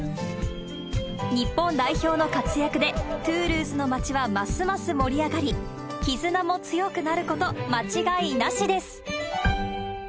日本代表の活躍で、トゥールーズの町はますます盛り上がり、絆も強くなること間違いなしです。